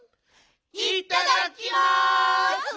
いっただきます！